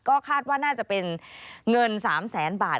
ก็คาดว่าน่าจะเป็นเงิน๓แสนบาท